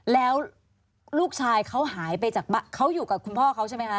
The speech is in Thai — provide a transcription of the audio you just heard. แล้วลูกชายเขาหายไปจากบ้านเขาอยู่กับคุณพ่อเขาใช่ไหมคะ